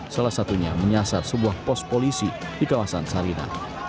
salah satunya menyasar sebuah pos polisi di kawasan sarina